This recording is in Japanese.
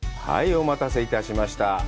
お待たせいたしました。